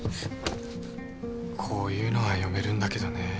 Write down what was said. こういうのは読めるんだけどね。